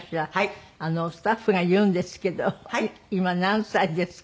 スタッフが言うんですけど今何歳ですか？